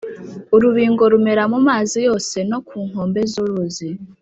Urubingo rumera mu mazi yose no ku nkombe z’uruzi,